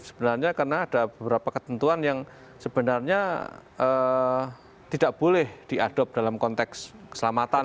sebenarnya karena ada beberapa ketentuan yang sebenarnya tidak boleh diadopt dalam konteks keselamatan